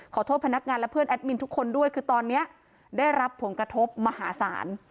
พนักงานและเพื่อนแอดมินทุกคนด้วยคือตอนนี้ได้รับผลกระทบมหาศาล